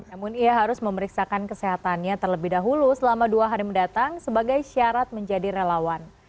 namun ia harus memeriksakan kesehatannya terlebih dahulu selama dua hari mendatang sebagai syarat menjadi relawan